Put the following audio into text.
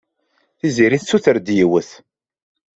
Tiziri tessuter-d yiwet.